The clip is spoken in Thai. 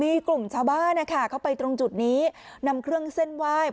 มีกลุ่มชาวบ้านนะคะเข้าไปตรงจุดนี้นำเครื่องเส้นไหว้